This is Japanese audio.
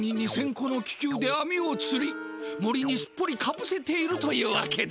この気球であみをつり森にすっぽりかぶせているというわけだ。